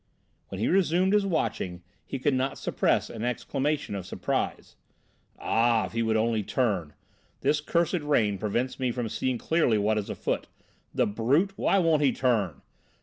When he resumed his watching he could not suppress an exclamation of surprise. "Ah, if he would only turn! This cursed rain prevents me from seeing clearly what is afoot. The brute! Why won't he turn!